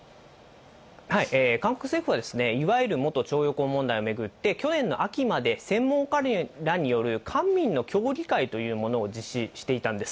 韓国政府はいわゆる元徴用工問題を巡って、去年の秋まで、専門家らによる官民の協議会というものを実施していたんです。